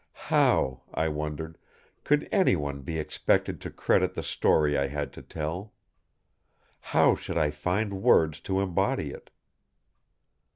How, I wondered, could anyone be expected to credit the story I had to tell? How should I find words to embody it?